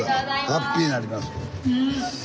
ハッピーになります。